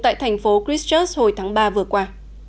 tại thành phố christchurch hồi tháng ba vừa qua